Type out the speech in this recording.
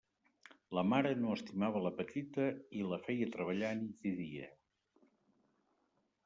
La mare no estimava la petita i la feia treballar nit i dia.